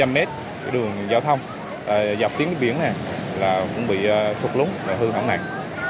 hai trăm linh m đường giao thông dọc tiếng biển này cũng bị sụt lúng và hư hỏng nặng